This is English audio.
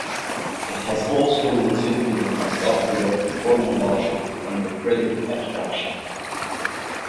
It has also recently become popular in formal logic under predicate abstraction.